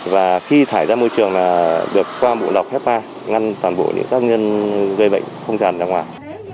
và khi thải ra môi trường được qua bộ lọc hepa ngăn toàn bộ những tác nhân gây bệnh không giàn ra ngoài